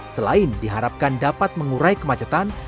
selain diharapkan dapat mengurai kemacetan